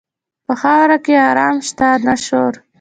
په خاوره کې آرام شته، نه شور.